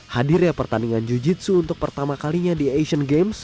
hadirnya pertandingan jiu jitsu untuk pertama kalinya di asian games